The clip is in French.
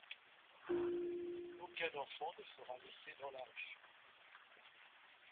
Aucun enfant ne sera laissé dans la rue.